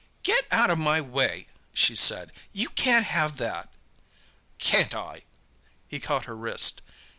"Get out of my way," she said—"you can't have that!" "Can't I!" He caught her wrist.